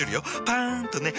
パン！とね。